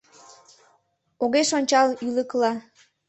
Огеш ончал ӱлыкыла.